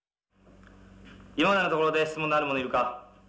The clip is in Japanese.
今までのところで質問のある者いるか？